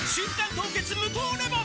凍結無糖レモン」